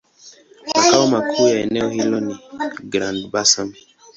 Makao makuu ya eneo hilo ni Grand-Bassam.